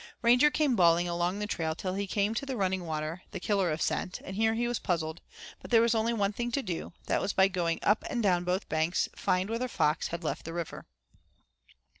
Ranger came bawling along the trail till he came to the running water, the killer of scent, and here he was puzzled; but there was only one thing to do; that was by going up and down both banks find where the fox had left the river.